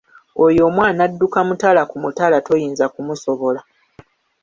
Oyo omwana adduka mutala ku mutala toyinza kumusobola.